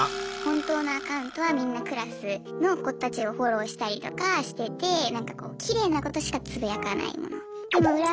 本当のアカウントはみんなクラスの子たちをフォローしたりとかしててなんかこうきれいなことしかつぶやかないもの。